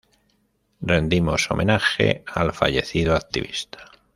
rendimos homenaje al fallecido activista